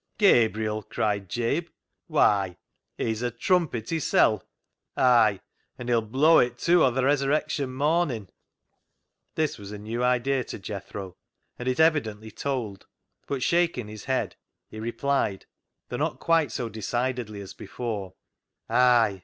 " Gabriel ?" cried Jabe ;" why, he's a trumpet hissel' ! Ay, an' he'll blow it too o' th' resurrec tion mornin' 1 " This was a new idea to Jethro, and it evidently told ; but, shaking his head, he replied, though not quite so decidedly as before —" Ay